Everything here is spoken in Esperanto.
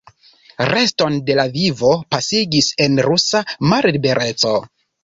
Reston de la vivo pasigis en rusa mallibereco.